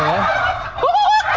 kukukuk aku kukuk aku